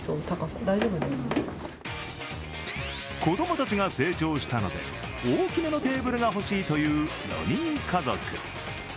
子供たちが成長したので、大きめのテーブルが欲しいという４人家族。